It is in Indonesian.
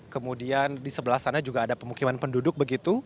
kemudian di sebelah sana juga ada pemukiman penduduk begitu